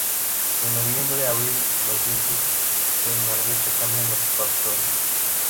De noviembre a abril, los vientos del nordeste cambian los patrones.